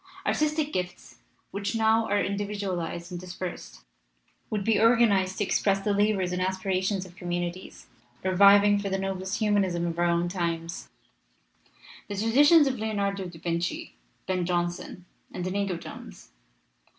Artistic gifts, which now are individualized and dispersed, would be organized to express the labors and aspirations of communities, reviving, for the noblest humanism of our own times, the traditions of Leonardo da Vinci, Ben Jonson, and Inigo Jones.